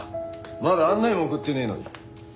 まだ案内も送ってねえのに。